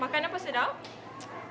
makanan pun sedap